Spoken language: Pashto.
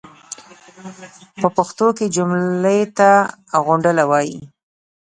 پۀ پښتو کې جملې ته غونډله وایي.